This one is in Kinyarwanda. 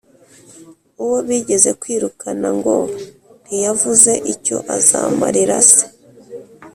uwo bigeze kwirukana ngo ntiyavuze icyo azamarira se